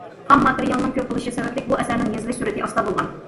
خام ماتېرىيالنىڭ كۆپ بولۇشى سەۋەبلىك، بۇ ئەسەرنىڭ يېزىلىش سۈرئىتى ئاستا بولغان.